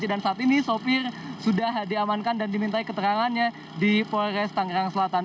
dan saat ini sopir sudah diamankan dan diminta keterangannya di polres tangerang selatan